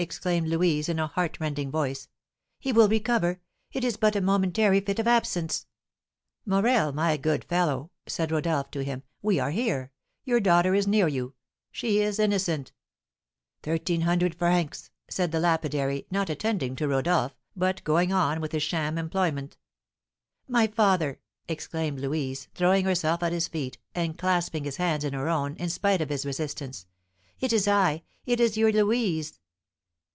exclaimed Louise, in a heart rending voice. "He will recover, it is but a momentary fit of absence!" "Morel, my good fellow," said Rodolph to him, "we are here. Your daughter is near you, she is innocent." "Thirteen hundred francs!" said the lapidary, not attending to Rodolph, but going on with his sham employment. "My father!" exclaimed Louise, throwing herself at his feet, and clasping his hands in her own, in spite of his resistance, "it is I it is your Louise!"